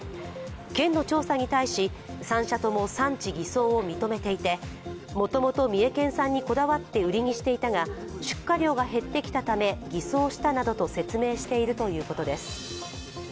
県の調査に対し３社とも産地偽装を認めていて、もともと三重県産にこだわって売りにしていたが、出荷量が減ってきたため、偽装したなどと説明しているということです。